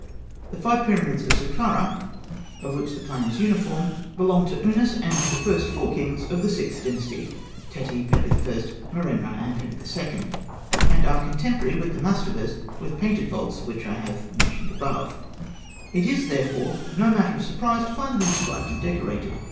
The five pyramids of Sakkarah, of which the plan is uniform, belonged to Ûnas and to the first four kings of the Sixth Dynasty, Teti, Pepi I., Merenra, and Pepi II., and are contemporary with the mastabas with painted vaults which I have mentioned above (p. 129). It is, therefore, no matter of surprise to find them inscribed and decorated.